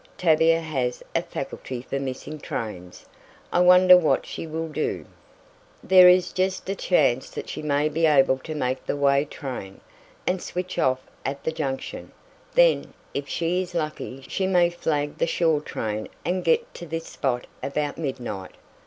"Tavia has a faculty for missing trains. I wonder what she will do?" "There is just a chance that she may be able to make the way train, and switch off at the Junction, then, if she is lucky, she may flag the shore train and get to this spot about midnight.